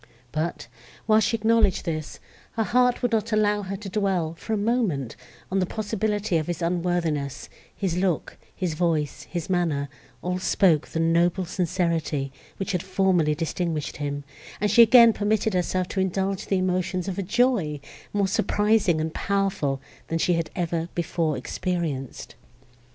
But, while she acknowledged this, her heart would not allow her to dwell, for a moment, on the possibility of his unworthiness; his look, his voice, his manner, all spoke the noble sincerity, which had formerly distinguished him; and she again permitted herself to indulge the emotions of a joy, more surprising and powerful, than she had ever before experienced.